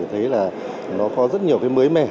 thấy là nó có rất nhiều cái mới mẻ